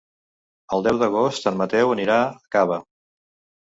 El deu d'agost en Mateu anirà a Cava.